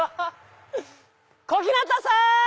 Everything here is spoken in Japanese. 小日向さん！